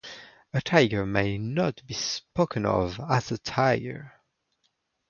A tiger may not be spoken of as a tiger.